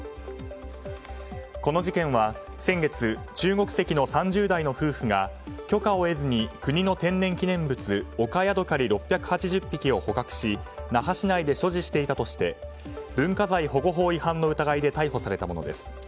この事件は先月、中国籍の３０代の夫婦が許可を得ずに国の天然記念物オカヤドカリ６８０匹を捕獲し那覇市内で所持していたとして文化財保護法違反の疑いで逮捕されたものです。